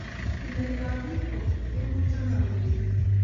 tilet ap hip hop kongusa aureren